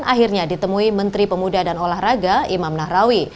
akhirnya ditemui menteri pemuda dan olahraga imam nahrawi